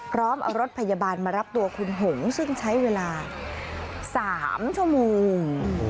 พร้อมเอารถพยาบาลมารับตัวคุณหงซึ่งใช้เวลา๓ชั่วโมง